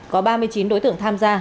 có ba mươi chín đối tượng tham gia